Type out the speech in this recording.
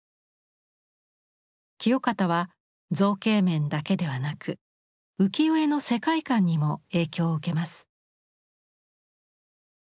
清方は造形面だけではなく浮世絵の世界観にも影響を受けます。